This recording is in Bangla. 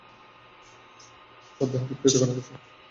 তার দেহ বিকৃত করা হয়েছে।